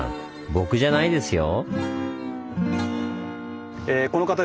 僕じゃないですよ！